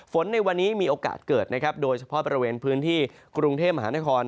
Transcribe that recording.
ในวันนี้มีโอกาสเกิดนะครับโดยเฉพาะบริเวณพื้นที่กรุงเทพมหานคร